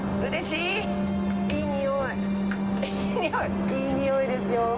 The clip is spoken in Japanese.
いい匂いですよ。